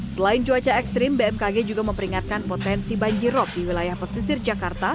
selain cuaca ekstrim bmkg juga memperingatkan potensi banjirop di wilayah pesisir jakarta